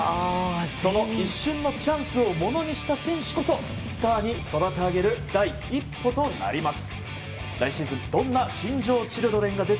その一瞬のチャンスをものにした選手こそ、スターに育て上げる第一歩となります。